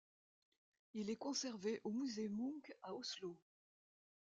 Il est conservé au musée Munch à Oslo.